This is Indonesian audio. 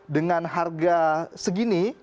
dengan harga segini